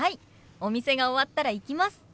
お店が終わったら行きます！